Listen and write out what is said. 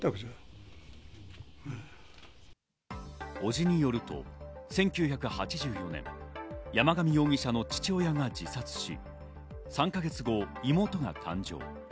伯父によると、１９８４年、山上容疑者の父親が自殺し、３か月後、妹が誕生。